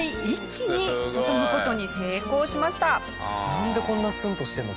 なんでこんなスンッとしてるの？